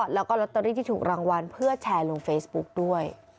แล้วก็ลอตเตอรี่ที่ถูกรางวัลเพื่อแชร์ลงเฟซบุ๊กด้วย